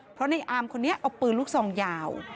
เพราะในอามคนนี้เอาปืนลูกซองยาว